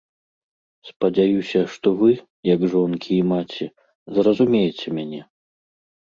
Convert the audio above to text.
Спадзяюся, што вы, як жонкі і маці, зразумееце мяне.